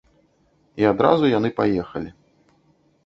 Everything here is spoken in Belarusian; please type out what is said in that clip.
І адразу яны паехалі.